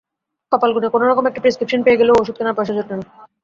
কপালগুণে কোনোক্রমে একটা প্রেসক্রিপশন পেয়ে গেলেও ওষুধ কেনার পয়সা জোটে না।